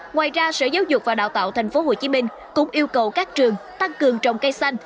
ngoài ra sở giáo dục và đào tạo tp hcm cũng yêu cầu các trường tăng cường trồng cây xanh